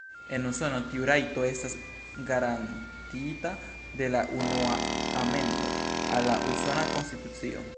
En Usono tiu rajto estas garantiita de la Unua Amendo al la Usona Konstitucio.